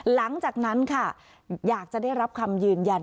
หลังจากนั้นค่ะอยากจะได้รับคำยืนยัน